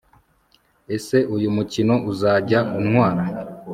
ese uyu mukino uzajya untwara